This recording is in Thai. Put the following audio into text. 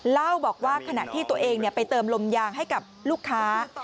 เล่าบอกว่าขณะที่ตัวเองไปเติมลมยางให้กับลูกค้า